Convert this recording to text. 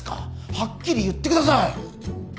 はっきり言ってください！